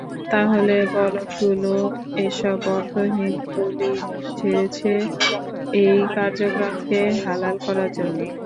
তাহলে বলদগুলো এসব অর্থহীন বুলি ঝেড়েছে এই কার্যক্রমকে হালাল করার জন্য!